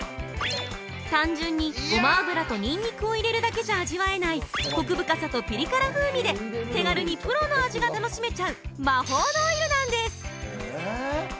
単純に、ごま油とニンニクを入れるだけじゃ味わえないコク深さとピリ辛風味で、手軽にプロの味が楽しめちゃう「魔法のオイル」なんです！